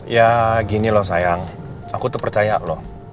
ya gini loh sayang aku tuh percaya loh